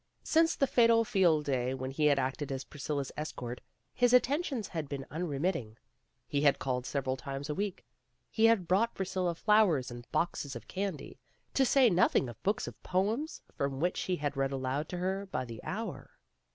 Since the fatal Field Day when he had acted as Priscilla's escort, his attentions had been unremitting. He had called several times a week. He had brought Priscilla flowers and boxes of candy, to say nothing of books of poems, from which he had read aloud to her by the hour.